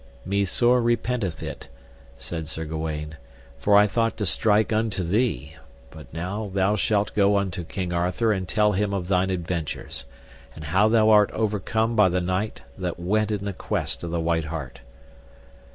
Me sore repenteth it, said Sir Gawaine, for I thought to strike unto thee; but now thou shalt go unto King Arthur and tell him of thine adventures, and how thou art overcome by the knight that went in the quest of the white hart.